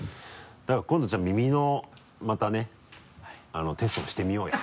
だから今度じゃあ耳のまたねテストもしてみようや。